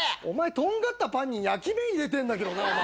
お前とんがったパンに焼き目入れてんだけどな。